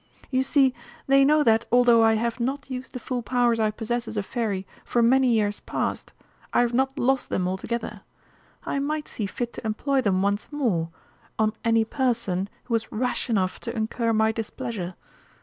You see, they know that, although I have not used the full powers I possess as a Fairy for many years past, I have not lost them altogether. I might see fit to employ them once more on any person who was rash enough to incur my displeasure.